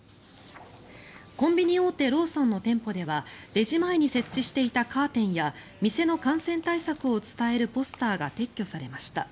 コンビニ大手ローソンの店舗ではレジ前に設置していたカーテンや店の感染対策を伝えるポスターが撤去されました。